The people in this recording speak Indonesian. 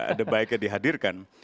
ada baiknya dihadirkan